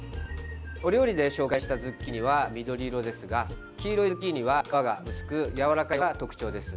お料理で紹介したズッキーニは緑色ですが黄色いズッキーニは皮が薄くやわらかいのが特徴です。